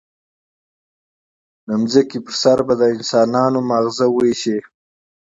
د ځمکې پر سر به د انسانانو ماغزه وایشي.